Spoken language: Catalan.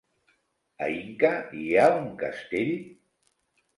A Inca hi ha un castell?